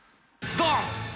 ドン！